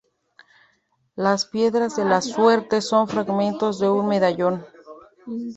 Las piedras de la suerte son fragmentos de un medallón.